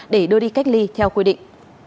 để đưa đi cách ly theo quy định